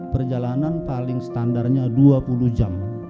perjalanan paling standarnya dua puluh jam